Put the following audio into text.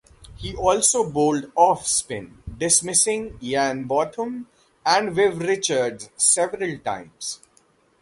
He also bowled off-spin, dismissing Ian Botham and Viv Richards several times.